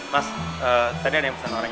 pas tadi ada yang pesan orang